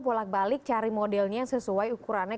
bolak balik cari modelnya sesuai ukurannya